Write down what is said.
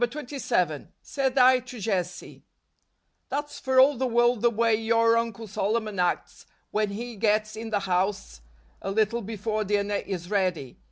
DECEMBER. 145 27. "Said I to Jessie: 'That's for all the world the way your Uncle Solomon acts when he gets in the house a little before dinner is ready.